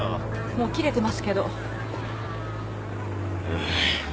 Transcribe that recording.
もう切れてますけど。